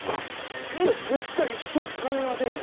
いや絶対一生つかめませんよ